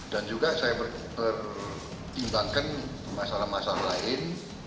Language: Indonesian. dan juga saya bertimbangkan masalah masalah lain